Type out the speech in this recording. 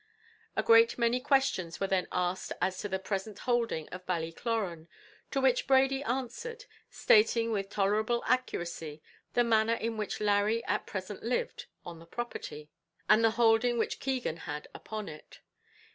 A great many questions were then asked as to the present holding of Ballycloran, to which Brady answered, stating with tolerable accuracy the manner in which Larry at present lived on the property, and the hold which Keegan had upon it.